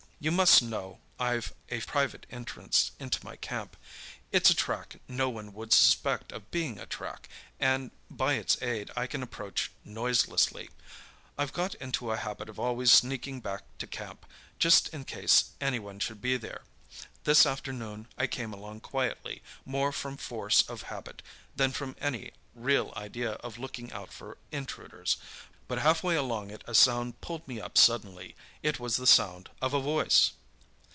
"You must know I've a private entrance into my camp. It's a track no one would suspect of being a track, and by its aid I can approach noiselessly. I've got into a habit of always sneaking back to camp—just in case anyone should be there. This afternoon I came along quietly, more from force of habit than from any real idea of looking out for intruders. But half way along it a sound pulled me up suddenly. It was the sound of a voice.